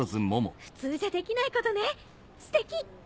普通じゃできないことねステキ！